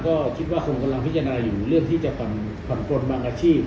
ก็คิดว่าคงกำลังพิจารณาอยู่เรื่องที่จะผ่อนปลนบางอาชีพ